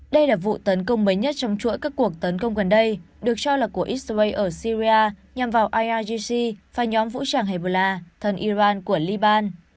đây là vụ tấn công mới nhất trong chuỗi các cuộc tấn công gần đây được cho là của israel ở syria nhằm vào ieag và nhóm vũ trang hebla thân iran của liban